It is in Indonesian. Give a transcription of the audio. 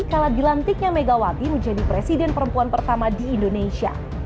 kala dilantiknya megawati menjadi presiden perempuan pertama di indonesia